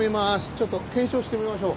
ちょっと検証してみましょう。